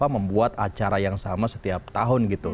membuat acara yang sama setiap tahun gitu